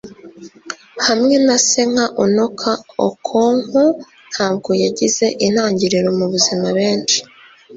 hamwe na se nka unoka, okonkwo ntabwo yagize intangiriro mubuzima benshi